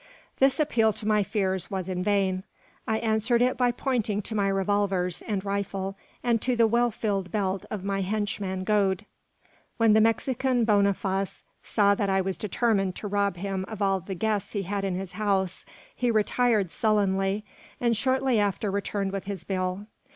This appeal to my fears was in vain. I answered it by pointing to my revolvers and rifle, and to the well filled belt of my henchman Gode. When the Mexican Boniface saw that I was determined to rob him of all the guests he had in his house, he retired sullenly, and shortly after returned with his bill.